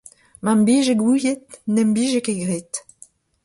Ma ‘m bije gouiet n’em bije ket graet !